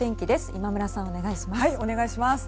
今村さん、お願いします。